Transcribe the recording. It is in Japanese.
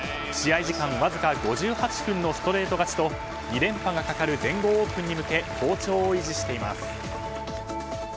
試合時間わずか５８分のストレート勝ちと２連覇がかかる全豪オープンに向けて好調を維持しています。